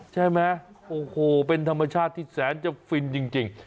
ใช่ไหมโอ้โหเป็นธรรมชาติที่แสนจะฟินจริง